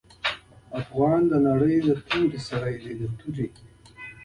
افغان د نرۍ توري سړی دی.